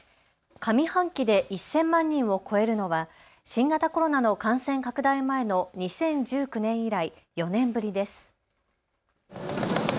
上半期で１０００万人を超えるのは新型コロナの感染拡大前の２０１９年以来４年ぶりです。